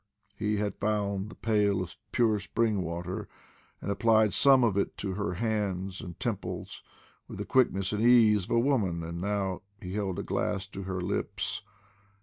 He had found the pail of pure spring water, and applied some of it to her hands and temples with the quickness and ease of a woman, and he now held a glass to her lips.